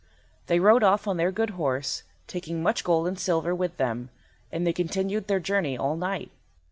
They rode off on their good horse, taking much gold and silver with them, and they continued their journey all night.